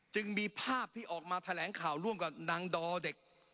จึงมีภาพที่ออกมาแถลงข่าวร่วมกับนางดอเด็ก